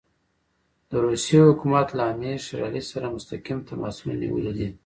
د روسیې حکومت له امیر شېر علي سره مستقیم تماسونه نیولي دي.